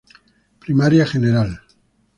Primaria Gral.